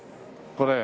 これ。